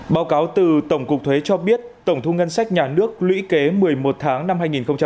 báo cáo từ tổng cục thuế cho biết tổng thu ngân sách nhà nước lũy kế một mươi một tháng năm hai nghìn một mươi chín